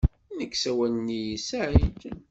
Nek sawalen-iyi Saɛid.